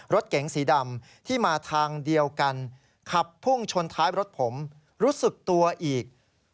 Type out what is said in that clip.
รถเก๋งสีดำที่มาทางเดียวกันขับพุ่งชนท้ายรถผมรู้สึกตัวอีก